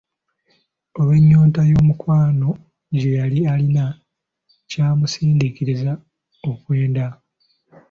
Olw'ennyonta y'omukwano gye yali alina, kyamusindiikiriza okwenda.